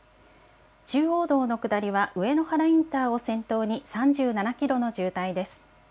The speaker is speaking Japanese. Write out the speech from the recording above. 中央道の下りはうえのはらインターを先頭に３７キロの渋滞です。